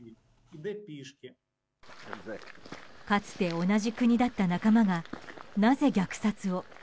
かつて同じ国だった仲間がなぜ虐殺を？